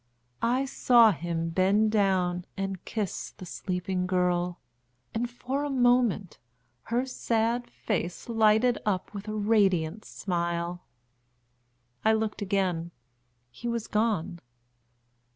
I saw him bend down and kiss the sleeping girl, and for a moment her sad face lighted up with a radiant smile. I looked again; he was gone.